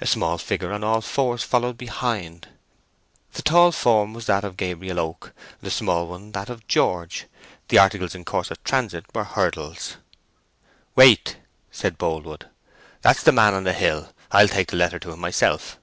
A small figure on all fours followed behind. The tall form was that of Gabriel Oak; the small one that of George; the articles in course of transit were hurdles. "Wait," said Boldwood. "That's the man on the hill. I'll take the letter to him myself."